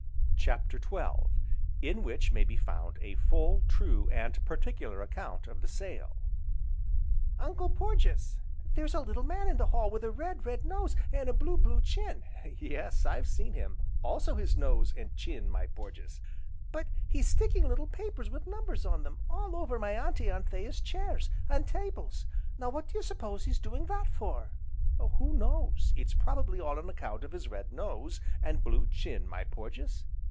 CHAPTER XII In which may be found a full, true, and particular account of the sale "Uncle Porges, there's a little man in the hall with a red, red nose, an' a blue, blue chin, " "Yes, I've seen him, also his nose, and chin, my Porges." "But he's sticking little papers with numbers on them, all over my Auntie Anthea's chairs, an' tables. Now what do you s'pose he's doing that for?" "Who knows? It's probably all on account of his red nose, and blue chin, my Porges.